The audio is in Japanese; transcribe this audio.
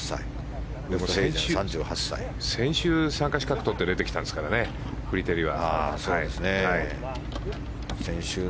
先週、参加資格取って出てきましたからねフリテリは。